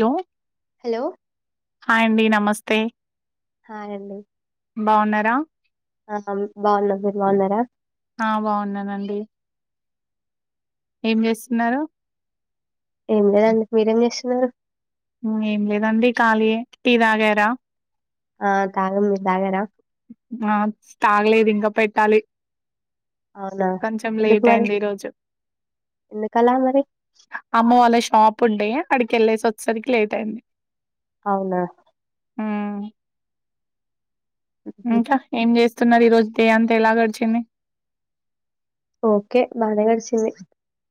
లో hello hi అండి. నమస్ స్తే హాయ్ అండి. బావున్నారా అ అం బాగున్నా మీర్ బాగున్నారా. ఆ బావున్నానండి. ఏం జేస్తున్నారు. ఏం లేదండి, మీరేం జేస్తున్నారు. ఊ ఏం లేదండి, ఖాళీయే టీ దాగారా. ఆ తాగాం. మీర్ తాగారా. ఆ తాగలేదు. ఇంక పెట్టాలి. అవునా! కొంచెం ఎందుకు లేట్ మరి? అయింది. ఈ రోజు, ఎందుకలా మరి? అమ్మ వాళ్ళ షాప్. ప్పుడే అడికేల్లేసొస్సరికి లేట్ అయింది. అవునా. ఊ హుహు. ఇంకా, ఏం చేస్. స్తున్నారు. ఈ రోజు డే అంతా ఎలా గడిచింది. ఓకే బానే గడిచింది.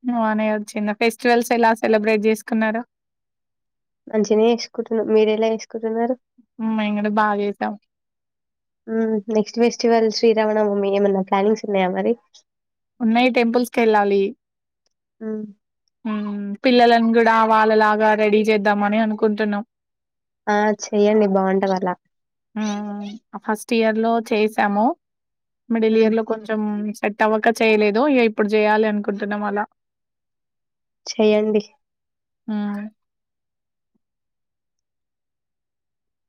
నువ్వనే వచ్చింద. ఫెస్టివల్స్ ఎలా సెలబ్రేట్ చేస్కున్నారు. మంచినే చేసుకుటునం. మీరెలా చేస్కుటున్నారు. ఉమ్, మేము కూడా బాగా చేసాం ఊ నెక్స్ట్ ఫెస్టివల్ శ్రీరామనవమి ఏమన్నా ప్లానింగ్స్ ఉన్నాయా మరి. ఉన్నాయ్ టెంపుల్స్ కెళ్ళాలి. ఉ పిల్లలన్ గూడా వాళ్ళలాగా రెడీ చేద్దాం మని అనుకుంటున్నాం. ఆ చెయ్యడి బాగుంట దల. చేసాము. మిడిలియర్ లో కొంచెం. ఏట్ అవక. చేయలేదు ఇక ఇప్పుడు చేయాలి అనుకుంటున్నాం అలా. చెయ్యండి. ఉమ్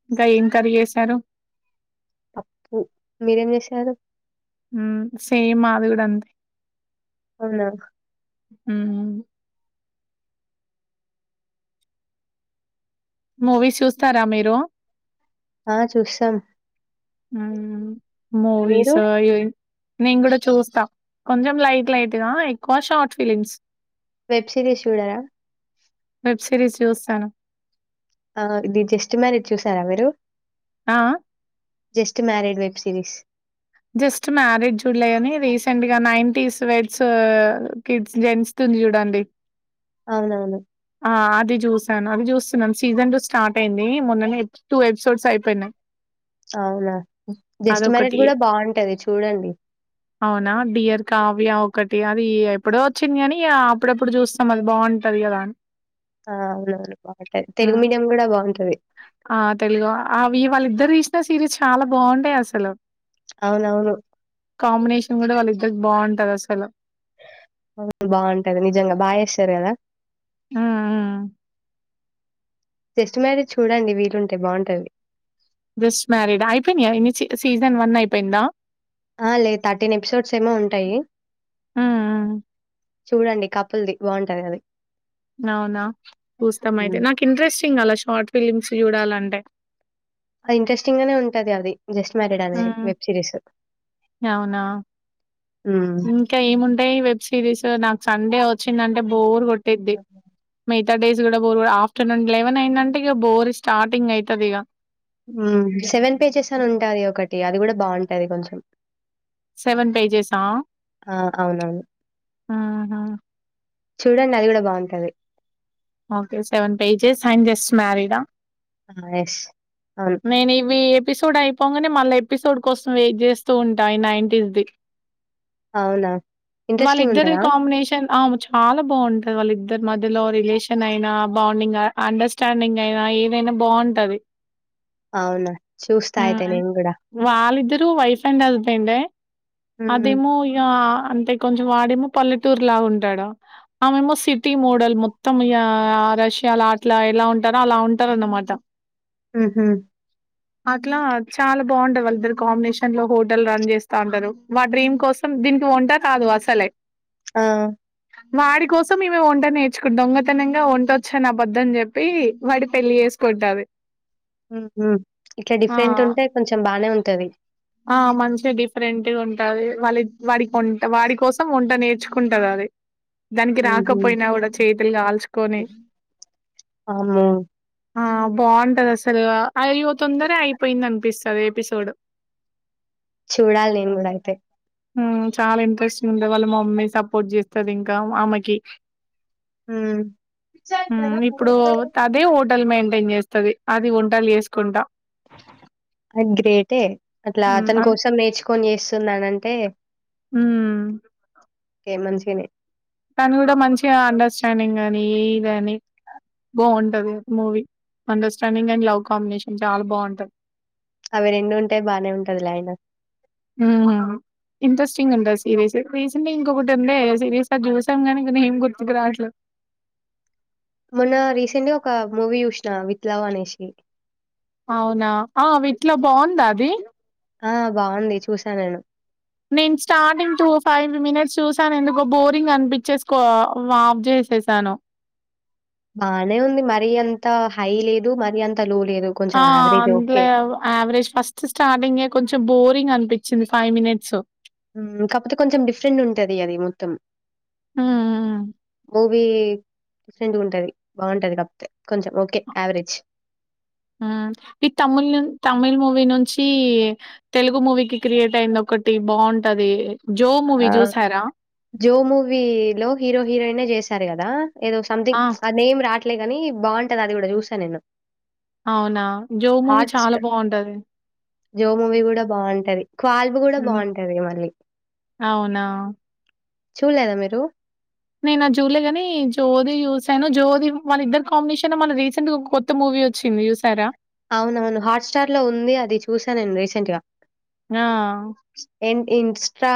ఇంకా ఏం కర్రి చేసారు. పప్పు. మీరేం చేసారు. ఊ సేమ్ మాది గుడా అంతే. అవునా. ఊ మూవీస్ చూస్తారా మీరు. ఆ చూస్తాం ఉమ్ మీరు? మూవీస్ ఈ నేను కూడా చూస్తా కొంచెం లైట్ లైట్గా ఎక్కువ షార్ట్ ఫిలిమ్స్ వెబ్ సిరీస్ చూడరాా వెబ్ సిరీస్ చూస్తాను ఆ ఇది జస్ట్ మ్యారేజ్ చూసారా మీరు ఆ just married web series just marriage చూడలేని రీసెంట్గా నైంటీస్ వెడ్స్ కిడ్స్ జెంట్స్ ది ఉంది చూడండి అవునవును ఆ అది చూసాను అది చూస్తున్నాను సీజన్ టు స్టార్ట్ అయింది మొన్ననే టూ ఎపిసోడ్స్ అయిపోయినాయి అవునా జస్ట్ మ్యారిడ్ అదొకటి. కూడా అవునా డియర్ కావ్య ఒ ఒకటి అది ఎప్పుడో వచ్చింది కానీ అప్పుడప్పుడు చూస్తాం అది బావుంటది కదాఅని ఆ అవునవును బాగుంటాయి తెలుగు మీడియం కూడా బావుంటది ఇద్దరు తీసిన సిరీస్ చాలా బాగుంటాయి అసలు అవునవును. కాంబినేషన్ కూడా వాళ్ళు ఇద్దరు బాగుంటది అస్సలు అవు బాగుంటది నిజంగా బాగా చేస్తారు కదా ఆ ఆ జస్ట్ మ్యారేజ్ చూడండి వీలుంటే బాగుంటది జస్ట్ మ్యారీడ్ అయిపోయినాయా ఇన్నీ సీజన్ వన్ అయిపోయిందా ఆ లేదు థర్టీన్ ఎపిసోడ్స్ ఏమో ఉంటాయి హ్మ్. చూడండి కపుల్ది బాగుంటది అది అవునా చూస్తాం అయితే హ్మ్. నాకు ఇంట్రెస్టింగ్ అలా షార్ట్ ఫిలిమ్స్ చూడాలంటే ఏ అది ఇంట్రెస్టింగ్ గానే ఉంటది అది జస్ట్ మ్యారీడ్ అనే ఉమ్ వెబ్ సిరీస్. అవునా హ్మ్. ఇంకా ఏముంటాయి వెబ్ సిరీస్ నాకు సండే వచ్చిందంటే బోర్ కొట్టిద్ది ఇ డేస్ కూడా బోర్ ఆఫ్టర్నూన్ లెవెన్ అయిందంటే ఇక బోర్ స్టార్టింగ్ అయితది ఇగ ఉమ్ సెవెన్ పేజెస్ అని ఉంటది ఒకటి అది కూడ బాగుంటది కొంచెం సెవెన్ పేజెస్ అ ఆ! అవునవును. చూడండి అది కూడా బాగుంటది okay seven pages and just married ఆ ఎస్ అవును ఇవి ఎపిసోడ్ అయిపోగానే మళ్ళీ ఎపిసోడ్ కోసం వెయిట్ చేస్తూ ఉంటాయి నైంటీనిది అవునా? ఇంట్రెస్టింగ్ వాళ్ళిద్దరి ఉంటదా? కాంబినేషన్ అమె చాలా బాగుంటది వాళ్ళిద్దరు ఇద్దరి మాద్యలో రీలేష్ అయిన బాండింగ్ అండర్స్టాండింగ్ అయినా ఏదైనా బాంటది అవునా? చూస్తా అయితే హ్మ్ నేను గూడా. వాళ్ళిద్దరు వైఫ్ అండ్ హస్బెండే హ్మ్. అదేమో ఇగా అంటే కొంచెం వాడేమో పల్లెటూరు లాగా ఉంటాడు ఆమెమో సిటీ మోడల్ మొ త్తం ఇగ రష్యాలో అట్లా ఎలా ఉంటారో అలా ఉంటారనమాట హ్మ్ హు అట్లా చాలా బాంట వాళ్ళిద్దరు కాంబినేషన్ లో హోటల్ రన్ చేస్తా ఉంటారు వాడ్ డ్రీమ్ కోసం దీనికి వొంట రాదు అసలే ఆ వాడి కోసం ఈమే వంట నేర్చ దొంగతనంగా వంట వచ్చని ఆబద్ధం చెప్పి వాన్నీ పెళ్లి చేసుకుంటది ఇట్లా ఆ డిఫరెంట్ ఉంటే కొంచెం బానే ఉం టది ఆ మంచిగా డిఫరెంట్ ఉంటది వాళ్ళ వాడి వంట వాడి కోసం వంట నేర్చుకుంటది అది దానికి హుహు. రాకపోయినా కూడ చేతులు కాల్చుకొని వామ్మో! ఆ బాంటది అసలు అయ్యో తొందర అయిపోయింది అనిపిస్తది ఎపిసోడు చూడాలి నేను గూడ అయితే హ్మ్ చాలా ఇంట్రెస్టింగ్ ఉంది వాళ్ళ మామ్మీ సపోర్ట్ చేస్తది ఇంకా ఆమెకి హ్మ్. హ్మ్ ఇప్పుడు అదే హోటల్ మెయి చేస్తది అది వంటలి చేసుకుంటా అ గ్రేటే అట్లా హ్మ్, అతని అన్ కోసం నేర్చుకొని చేస్తుందనంటే హ్మ్. మంచి కినే దాని కూడా మంచి అండర్స్టాండింగ్ అని ఏదని బాగుంటది movie understanding and love combination చాలా బాగుంటది. అవి రెండు ఉంటే బానే ఉంటది లే అయినా హ్మ్ ఇంట్రెస్టింగ్ ఉంట సిరీస్ రీసెంట్గా ఇంకొకటి ఉందిే స సిరీస్ అది చూసాం ని కొ ఏం గుర్తుకు రా అట్లు మొన్న రీసెంట్ గా ఒక మూవీ చూసిన విత్ లవ్ అనేసి అవునా ఆ వీట్లో బాగుందా అది ఆ బాగుంది చూసా నేను నేను స్టార్టింగ్ టూ ఫైవ్ మినిట్స్ చూసాను ఎందుకో బోరింగ్ అనిపించేసికో ఆఫ్ చేసేసాను బానే ఉంది మరి ఎంత హై లేదు మరి అంత లో లేదు. కొంచెం ఆ యావరేజ్ ఓకే. అందులో ఆవరేజ్ ఫస్ట్ స్టార్టింగే కొంచెం బోరింగ్ అన్ పిచ్చింది ఫైవ్ మినిట్స్ కాకపోతే కొంచెం డిఫరెంట్ ఉంటది అది మొత్తం హ్మ్ మూవీ డిఫరెంట్ ఉంటది బాంటది కాపోతే కొంచం ఓకే యావరేజ్ ఈ తమిళ ను తమిళ్ మూవీ నుంచి తెలుగు మూవీకి క్రియేట్ అయింది ఒకటి బాగుంటది ఆ జో మూవీ లో హీరో హీరోయిన్ చే సరి కదా ఏదో సంథింగ్ ఆ నేమ్ రా అట్లేగాని బాంటది అది గూడా చూసా నేను అవునా? 'జో' మూవీ హాట్ చాలా స్టా బావుంటది. జో మూవీ కూడా బాగుంటది. క్వాల్బు కూడా హ్మ్. బాగుంటది మళ్ళీ అవునా చూడ్లేదా మీరు? నేనది జూడ్లే గాని, జో ది జూశాను జో దీ వాళ్ళ ఇద్దరి కాంబినేషన్ మల రీసెంట్ ఒక కొత్త మూవీ వచ్చింది చూసార? అవునవును హాట్స్టార్ లో ఉంది అది చూశా నేను రీసెంట్ గా. ఆ ఇన్స్టా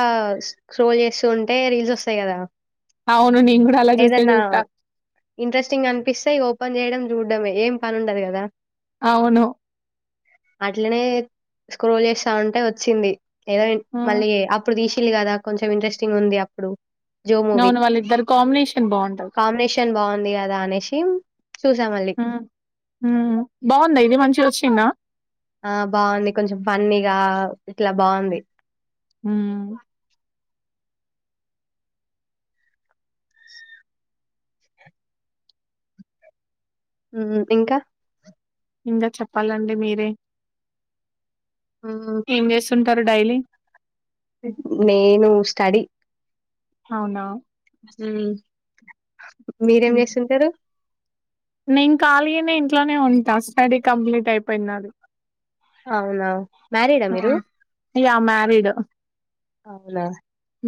స్ట్రోల్ చేస్తు ఉంటే రీల్స్ ఒస్తయి కదా అవును నేను కూడా అలా చూసే ఏదన్నా చూస్తా ఇంట్రెస్టింగ్ అనిపిస్తే ఇగ ఓపెన్ చేయడం చూడ డమే ఏం పని ఉండదు కదా. అవును అట్లనే స్క్రోల్ చేస్తావుంటే వచ్చింది. ఏదో ఆ మళ్ళీ అప్పుడు తీస్ సిళ్ళు గాదా కొంచెం ఇంట్రెస్టింగ్ ఉంది అప్పుడు జో మూవీ అవును వాళ్ళిద్దరు కాంబినేషన్ బాగుంటది కాంబినేషన్ బాగుంది కదా అనేసి చూశా మళ్ళీ బాగుంద ఇది మంచిగ వచ్చిందా ఆ బాగుంది కొంచెం ఫన్నీగా ఇట్లా బాగుంది. మ్మూ మ్మ్ ఇంకా ఇంగా చెప్పాలండి మీరే మ్మూ ఉంటారు డైలీ నేను స్టడీ అవునా హ్మ్ మీరేం హ్మ్ చేస్తుంటరు? నేను ఖాలీనే ఇంట్లోనే ఉంటా స్టడీ కంప్లీట్ అయిపోయింది నాది. అవునా మ్యారీడా మీరు! యా మ్యారీడ్ అవునా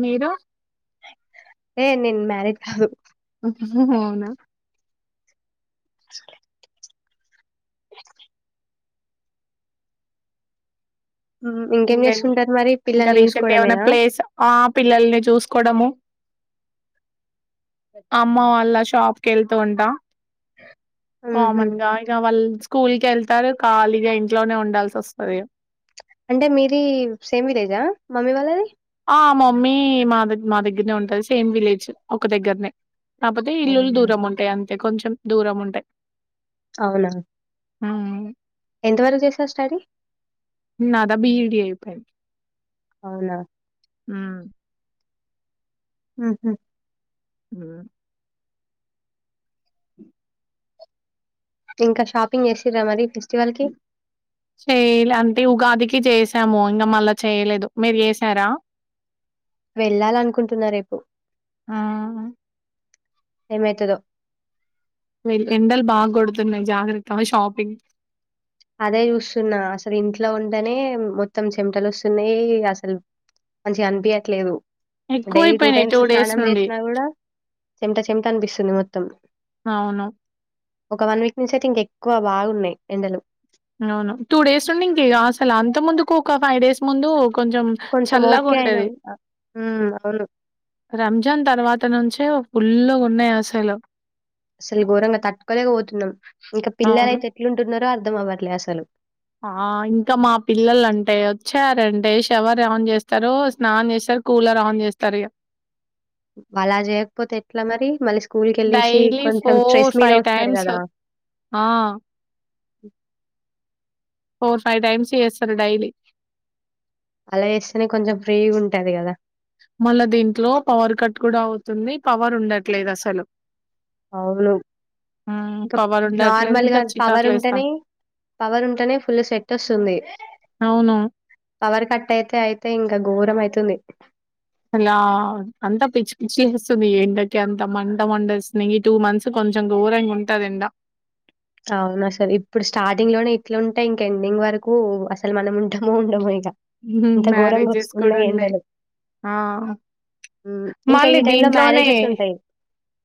మీరు ఏ నేన్ మ్యారీడ్ కాదు. అవునా హ్మ్ ఇంకేం చేస్తుంటారు మరి ఇంక పిల్లల్ని రీసెంట్ ఏమైనా చూసుకోవడమేనా ప్లేస్ ఆ పిల్లల్ని చూసుకోవడము, అమ్మ వాళ్ళ షాప్ కెళ్తూ ఉంటా హుహు. కామన్ గా ఇగ వాళ్ళ్ స్క్ కూల్ కెళ్తారు ఖాళీగా ఇంట్లోనే ఉండాల్సొస్తది ఇగ. అంటే మీరి సేమ్ విలేజా మమ్మీ వాళ్ళది! అ మమ్మీ మా దగ్గ్ మా దగ్గరనే ఉంటది సేమ్ విలేజ్ ఒక దగ్గర్నే. కాపోతే ఇల్లులు అవునా? దూరం ఉంటయి అం తే కొంచెం దూరం ఉంటయి. అవునా హ్మ్ ఎంత వరకు చేశారు స్టడీ? నాదా బి ఈ డి అయి థ్యాంక్యూ అవునా హ్మ్ హ్మ్ హు హ్మ్ ఇంక షాపింగ్ చేసిన్రా మరి ఫెస్టివల్‌కి? చేయలే అంటే ఉగాది. కి చేసాము. ఇంగ మళ్ళ చేయలేదు. మీరు చేసారా వెళ్ళాలనుకుంటున్న రేపు ఆహా ఎమైతదో ఎండల్ బాగా గోడుతున్నాయి. జాగ్రత్త షోపింగ్ అదే చూస్తున్నా అసలు ఇంట్లో ఉంటేనే మొత్తం చెమటలు వస్తున్నాయి. అసలు మంచిగా అనిపియట్లేదు డైలీ టూ ఎక్కువైపోయినాయి టైమ్స్ డేస్ స్నానం నుండి. చేసినా కూడా చెమట చెమట అనిపిస్తుంది. మొత్తం అవును. ఒక వన్ వీక్ నుంచి అయితే ఇంకా ఎక్కువ బాగున్నాయి. ఎండలు అవును టూ డేస్ ఉండి ఇంతేగా అసలు అంత ముందు కోకా ఫైవ్ డేస్ ముందు కొంచెం కొంచెం చల్లగా ఓకే అయినా. ఉండేది. ఆ! హ్మ్. అవును. రంజాన్ తర్వాత నుంచే ఫుల్ గా ఉన్నాయి అసలు అసలు ఘోరంగా తట్టుకోలేక పోతున్నాం. ఇంకా పిల్లలు అవును. అయితే ఎట్లు ఉంటున్నారో అ అర్ధం అవ్వట్లే అసలు ఆ ఇంకా మా పిల్లలు అంటే వచ్చారంటే షవర్ ఆన్ చేస్తారు స్నానం చేస్తారు. కూలర్ ఆన్ చేస్తారు. ఇగా అలా చేయకపోతే ఎట్లా మరి మళ్ళీ స్కూల్ కేళ్ళేసి డైలీ కొంచెం స్ట్రెస్ మీద వస్తారు. టైమ్స్ కదా ఆ! ఫోర్ ఫైవ్ టైమ్స్ చేస్తారు డైలీ అలా చేేస్తేనే కొంచెం ఫ్రీ ఉంటది. కదా మళ్ళా దీంట్లో పవర్ కట్ కూడా అవుతుంది. పవర్ ఉండట్లేదు అసలు అవును ఇంకా పవరుండట్లేదు. నార్మల్ గా ఇంకా పవర్ చికాకులేస్తా ఉంటేనే పవర్ ఉంటేనే ఫుల్ సెట్ వస్తుంది. అవును. పవర్ కట్ అయితే అయితే ఇంకా ఘోరం అయితే అయితుంది. అలా అంత పిచ్చి పిచ్చి చూస్తుంది. ఎండకి అంత మంట మండేస్తుంది. ఈ టూ మంత్స్ కొంచెం ఘోరంగా ఉంటది. ఎండ అవును అసలు ఇప్పుడు స్టార్టింగ్ లోనే ఇట్లా ఉంటే ఇంక ఎండింగ్ వరకు అసలు మనం ఉంటామో ఉండమో ఇగా మ్యారేజెస్ కూడా ఉన్నాయి. హ్మ్. ఇంకా మళ్ళీ ఈ టైంలో దీంట్లోనే మ్యారేజెస్ ఉంటాయి.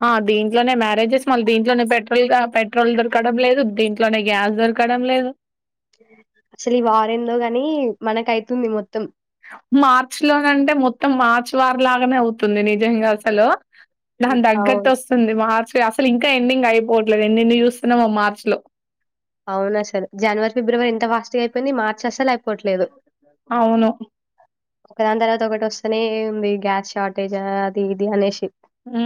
ఆ దీంట్లోనే మ్యారేజెస్ మళ్ళీ దీంట్లోనే పెట్ టోటల్గా పెట్రోల్ దొరకడం లేదు. దీంట్లోనే గ్యాస్ దొరకడం లేదు అవుతుంది. మొత్తం మార్చి లోనంటే మొత్తం మార్చ్ వార్ లాగానే అవుతుంది. నిజంగా అసలు హ్మ్. దాని దగ్గట్ అవును. వస్తుంది. మార్చ్ అసలు ఇంకా ఎండింగ్ అయిపోవట్లేదు. ఎనెన్ని చూస్తున్నామా మార్చ్ లో అవునాసలు జనవరి, ఫిబ్రవరి ఇంత ఫాస్ట్ గా అయిపోయింది. ఈ మార్చ్ అసలు అయిపోవట్లేదు. అవును ఒకదాని తర్వాత ఒకటి వస్తనే ఉంది గ్యాస్ షార్ట్ ఏజ్ అది ఇది అనేసి ఉ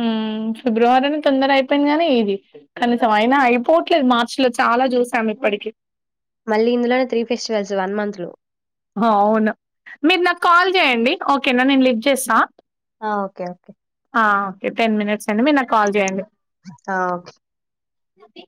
ఫిబ్రవరిని తొందర అయిపోయింది గానీ ఇది కనీసం అయినా అయిపోవట్లేదు మార్చి లో చాలా చూసాము ఇప్పటికి మళ్ళీ ఇందులోనే త్రీ ఫెస్టివల్స్ వన్ మంత్ లో అవును మీరు నాకు కాల్ చేయండి ఓకేనా నేను లిఫ్ చేస్తా ఆ okay okay okay ten minutes అండి మీరు నాకు కాల్ చేయండి ఆ ఓకే ఉన్నది